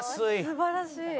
素晴らしい！